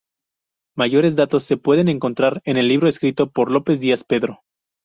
Mayores datos se pueden encontrar en el libro escrito por López Díaz, Pedro.